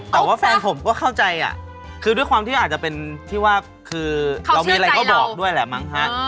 แต่ว่าแฟนผมก็เข้าใจคือด้วยความที่อาจจะเป็นที่ว่าคือเรามีอะไรก็บอกด้วยแหละมั้งฮะ